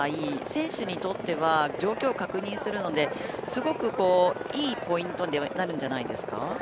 選手にとっては状況確認するのですごく、いいポイントになるんじゃないですか？